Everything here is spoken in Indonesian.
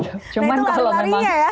nah itu lari larinya ya